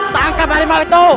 tangkap harimau itu